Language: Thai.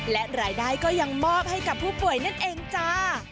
และรายได้ก็ยังมอบให้กับผู้ป่วยนั่นเองจ้า